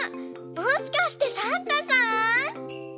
もしかしてサンタさん？